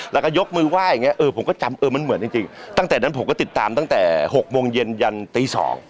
แล้วก็ยกมือไหว้อย่างเงี้เออผมก็จำเออมันเหมือนจริงตั้งแต่นั้นผมก็ติดตามตั้งแต่๖โมงเย็นยันตี๒